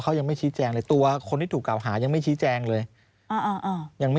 เขายังไม่ชี้แจงเลยตัวคนที่ถูกกล่าวหายังไม่ชี้แจงเลยยังไม่